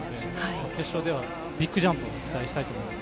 決勝ではビッグジャンプを期待したいです。